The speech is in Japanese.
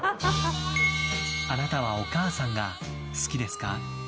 あなたはお母さんが好きですか？